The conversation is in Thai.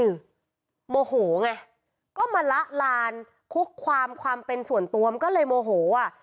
คือโมโหไงก็มาละลานคุกความความเป็นส่วนตัวมันก็เลยโมโหอ่ะ